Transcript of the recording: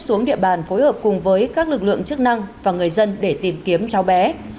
xuống địa bàn phối hợp cùng với các lực lượng chức năng và người dân để tìm kiếm cháu bé